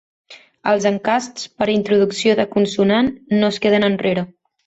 Els encasts per introducció de consonant no es queden enrere.